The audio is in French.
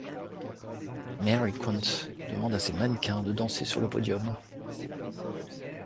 Mary Quant demande à ses mannequins de danser sur le podium.